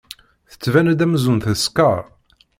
Tettban-d amzun teskeṛ.